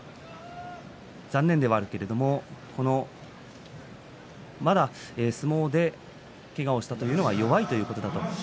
残念ではあるけれどもまだ相撲でけがをしたのは弱いということだ。